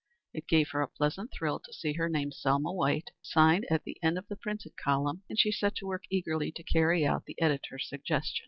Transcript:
It gave her a pleasant thrill to see her name, "Selma White," signed at the end of the printed column, and she set to work eagerly to carry out the editor's suggestions.